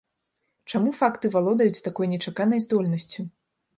Чаму факты валодаюць такой нечаканай здольнасцю?